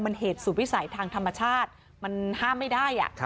มันเหตุสุดวิสัยทางธรรมชาติมันห้ามไม่ได้